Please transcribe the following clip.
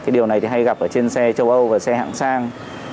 điều này hay gặp trên xe châu âu và xe hạng sang